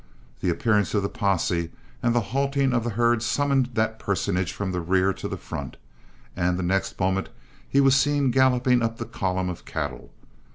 The appearance of the posse and the halting of the herd summoned that personage from the rear to the front, and the next moment he was seen galloping up the column of cattle.